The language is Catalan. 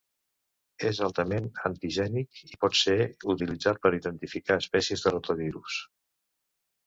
És altament antigènic i pot ser utilitzat per identificar espècies de rotavirus.